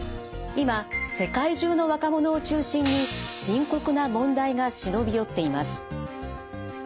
今世界中の若者を中心に深刻な問題が忍び寄っています。